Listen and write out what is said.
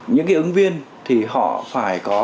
những cái ứng viên thì họ phải có